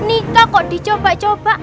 nikah kok dicoba coba